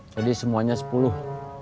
jadi semuanya sepuluh